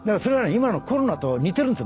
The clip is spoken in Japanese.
今のコロナと似てるんです。